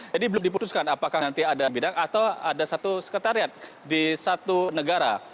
jadi belum diputuskan apakah nanti ada bidang atau ada satu sekretariat di satu negara